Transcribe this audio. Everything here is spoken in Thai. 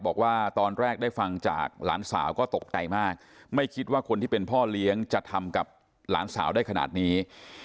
บอกว่าตอนแรกได้ฟังจากหลานสาวก็ตกใจมากไม่คิดว่าคนที่เป็นพ่อเลี้ยงจะทำกับหลานสาวได้ขนาดนี้